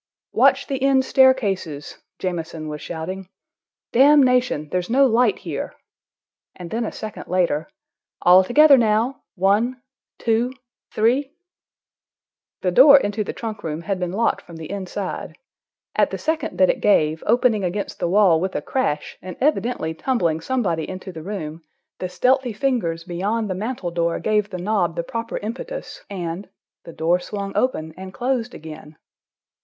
"Watch the end staircases!" Jamieson was shouting. "Damnation—there's no light here!" And then a second later. "All together now. One—two—three—" The door into the trunk room had been locked from the inside. At the second that it gave, opening against the wall with a crash and evidently tumbling somebody into the room, the stealthy fingers beyond the mantel door gave the knob the proper impetus, and—the door swung open, and closed again.